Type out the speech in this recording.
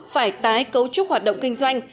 phải tái cấu trúc hoạt động kinh doanh